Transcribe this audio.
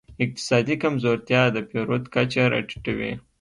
اقتصادي کمزورتیا د پیرود کچه راټیټوي.